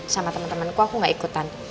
sama temen temenku aku gak ikutan